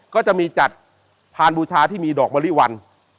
ก็จะมีจัดพานบูชาที่มีดอกมะลิวัน